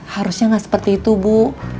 harusnya nggak seperti itu bu